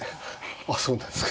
あっそうですか。